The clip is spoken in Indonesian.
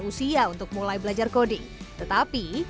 jempolnya sulit berhenti henti